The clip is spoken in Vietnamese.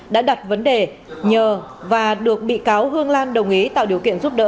đã đặt vấn đề nhờ và được bị cáo hương lan đồng ý tạo điều kiện giúp đỡ